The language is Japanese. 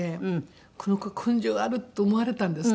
この子根性あると思われたんですってはい。